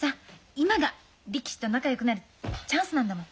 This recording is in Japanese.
今が力士と仲よくなるチャンスなんだもん。